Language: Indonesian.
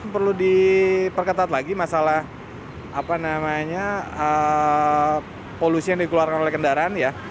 perlu diperketat lagi masalah apa namanya polusi yang dikeluarkan oleh kendaraan ya